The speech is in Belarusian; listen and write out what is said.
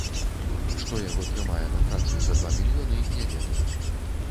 Што яго трымае на працы за два мільёны, не ведаю.